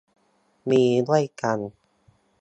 มีด้วยกัน